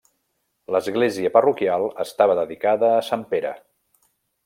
L'església parroquial estava dedicada a Sant Pere.